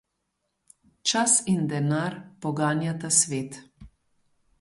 Čas in denar poganjata svet.